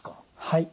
はい。